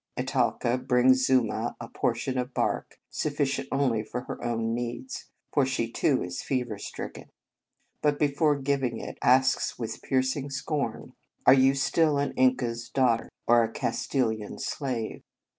Italca brings Zuma a portion of bark, suffi cient only for her own needs, for she too is fever stricken, but, before giving it, asks with piercing scorn: " Are you still an Inca s daughter, of 46 The Convent Stage a Castilian slave